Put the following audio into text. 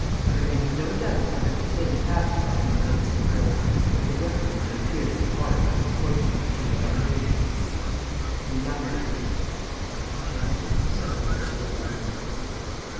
And Lupin had no doubt but that the pin attached to that magnificent pearl was the weapon which had pierced the heart of the unfortunate M. Lavernoux. He muttered: "You're jolly clever, monsieur le baron!"